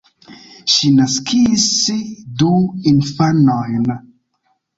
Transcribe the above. Ŝi naskis du infanojn.